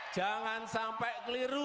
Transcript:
jangan sampai keliru